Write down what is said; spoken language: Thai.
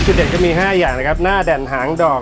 ช่วยเด็ดมีห้าอย่างหน้าแด่นหางดอก